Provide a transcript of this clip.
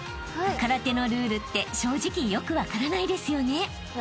［空手のルールって正直よく分からないですよね？］